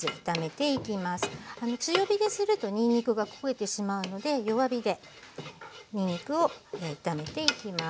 強火でするとにんにくが焦げてしまうので弱火でにんにくを炒めていきます。